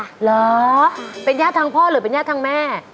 เหรอเป็นญาติทางพ่อหรือเป็นญาติทางแม่